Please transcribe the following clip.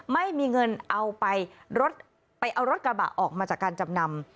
ไม่มีเงินเอาไปรถไปเอารถกระบะออกมาจากการจำนำ